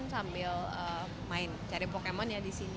sambil main cari pokemon ya disini